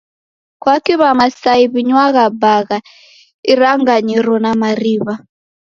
Kwaki W'aMasai w'inywagha bagha iranganyiro na mariw'a?